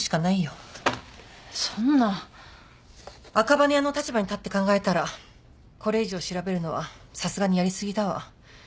赤羽屋の立場に立って考えたらこれ以上調べるのはさすがにやり過ぎだわ。